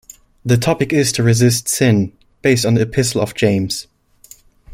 The topic is to resist sin, based on the Epistle of James.